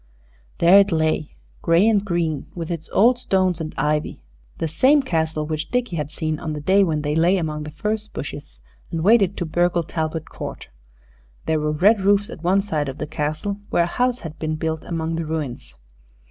There it lay, gray and green, with its old stones and ivy the same Castle which Dickie had seen on the day when they lay among the furze bushes and waited to burgle Talbot Court. There were red roofs at one side of the Castle where a house had been built among the ruins.